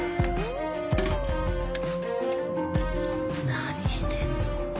何してんの？